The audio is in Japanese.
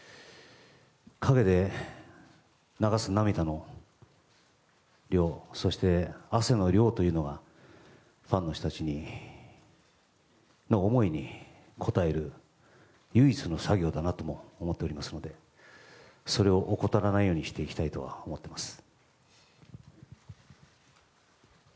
陰で流す涙の量そして、汗の量というのはファンの人たちの思いに応える唯一の作業だなとも思っておりますのでそれを怠らないようにしていきたいとは思っています。